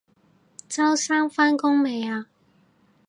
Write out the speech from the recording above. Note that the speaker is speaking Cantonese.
周生返工未啊？